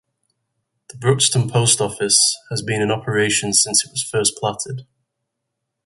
The Brookston post office has been in operation since it was first platted.